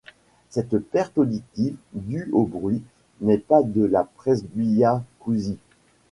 Cette perte auditive due aux bruits n'est pas de la presbyacousie.